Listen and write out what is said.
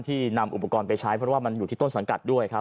นำอุปกรณ์ไปใช้เพราะว่ามันอยู่ที่ต้นสังกัดด้วยครับ